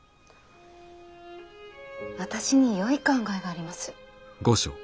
私によい考えがあります。